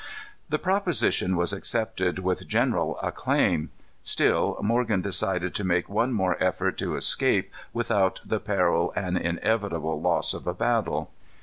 The proposition was accepted with general acclaim. Still Morgan decided to make one more effort to escape without the peril and inevitable loss of a battle.